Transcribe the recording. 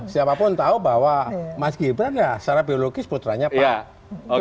siapapun tahu bahwa mas gibran ya secara biologis putranya pak jokowi